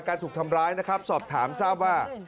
ถูกทำร้ายนะครับสอบถามทราบว่า